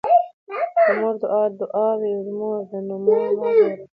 د مور دعاء د دعاوو مور ده، نو مور مه ځوروه